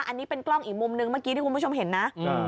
อันนี้เป็นกล้องอีกมุมนึงเมื่อกี้ที่คุณผู้ชมเห็นนะ